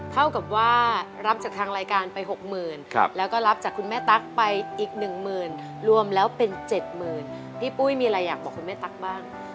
เท่ากับว่ารับจากทางรายการไป๖๐๐๐แล้วก็รับจากคุณแม่ตั๊กไปอีก๑หมื่นรวมแล้วเป็น๗๐๐พี่ปุ้ยมีอะไรอยากบอกคุณแม่ตั๊กบ้าง